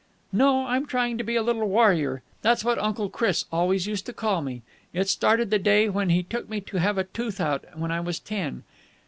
"No, I'm trying to be a little warrior. That's what Uncle Chris always used to call me. It started the day when he took me to have a tooth out, when I was ten.